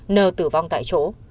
n tử vong tại chỗ